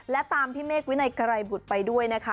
และตามพี่เมฆวินัยไกรบุตรไปด้วยนะคะ